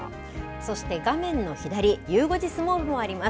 そして、画面の左、ゆう５時相撲部もあります。